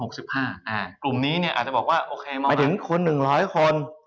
กลุ่มนี้เนี่ยอาจจะบอกว่าไปถึงคนหนึ่งร้อยคน